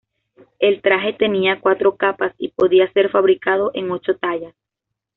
El traje tenía cuatro capas y podía ser fabricado en ocho tallas.